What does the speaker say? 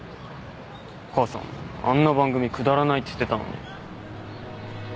母さんあんな番組くだらないって言ってたのに。